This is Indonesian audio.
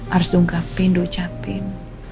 harus diungkapin diucapin